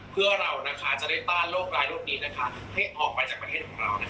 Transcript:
เพื่อเราจะได้ต้านโรคร้ายโรคนี้ให้ออกไปจากประเทศของเรา